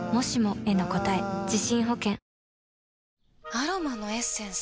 アロマのエッセンス？